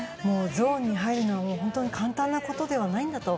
ゾーンに入るのは簡単なことではないんだと。